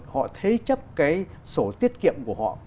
họ thế chấp cái sổ tiết kiệm của họ